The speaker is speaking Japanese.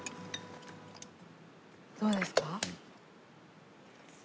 どうですか？